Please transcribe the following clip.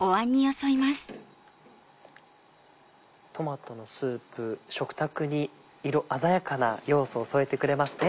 トマトのスープ食卓に色鮮やかな要素を添えてくれますね。